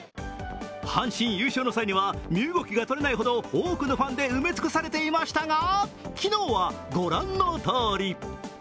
阪神優勝の際には、身動きがとれないほど多くのファンで埋め尽くされていましたが昨日はご覧のとおり。